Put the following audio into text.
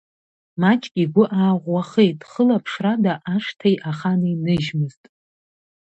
Маҷк игәы ааӷәӷәахеит, хылаԥшрада ашҭеи ахани ныжьмызт.